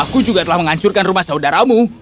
aku juga telah menghancurkan rumah saudaramu